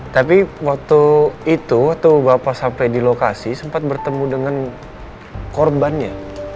tapi waktu itu waktu bapak sampai di lokasi sempat bertemu dengan korbannya